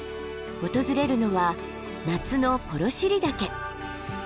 訪れるのは夏の幌尻岳。